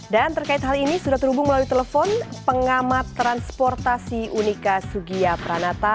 dan terkait hal ini sudah terhubung melalui telepon pengamat transportasi unika sugiya pranata